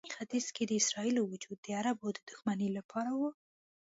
په منځني ختیځ کې د اسرائیلو وجود د عربو د دښمنۍ لپاره و.